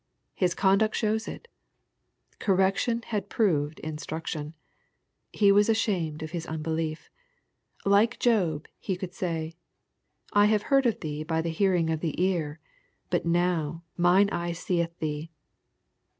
His conduct shows it. Correction had proved instruction. He was ashamed of his unbelief. Like Job, he could say, " I have heard of thee by the hearing of the ear, but now mine eye seeth thee."